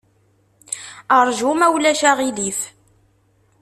Ṛju, ma ulac aɣilif.